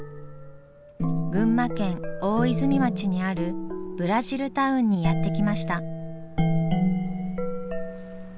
群馬県大泉町にあるブラジルタウンにやって来ました。